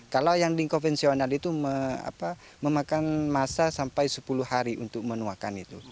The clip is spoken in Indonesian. kalau yang ding konvensional itu memakan masa sampai sepuluh hari untuk menuakan itu